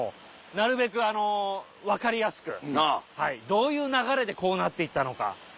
なるべく分かりやすくどういう流れでこうなっていったのか。